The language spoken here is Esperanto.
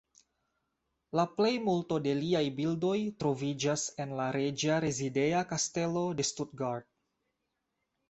La plejmulto de liaj bildoj troviĝas en la Reĝa rezideja kastelo de Stuttgart.